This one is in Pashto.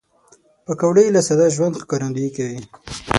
پکورې له ساده ژوند ښکارندويي کوي